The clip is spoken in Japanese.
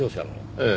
ええ。